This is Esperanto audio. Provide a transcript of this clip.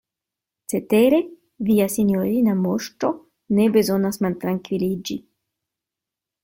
Cetere via sinjorina Moŝto ne bezonas maltrankviliĝi.